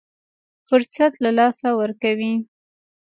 فرصت له لاسه ورکوي.